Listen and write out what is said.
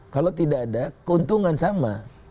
kalau tidak ada keuntungan sama